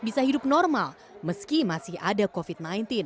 bisa hidup normal meski masih ada covid sembilan belas